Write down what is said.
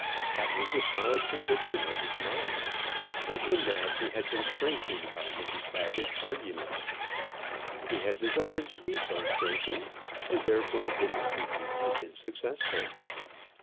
That was the solid conviction of his mind, and in that he had been strengthened by Mrs Baggett's arguments. He had desired to be so strengthened, and therefore his interview had been successful.